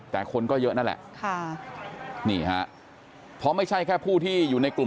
แต่คนก็เยอะนั่นแหละค่ะนี่ฮะเพราะไม่ใช่แค่ผู้ที่อยู่ในกลุ่ม